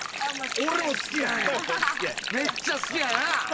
俺めっちゃ好きやんな。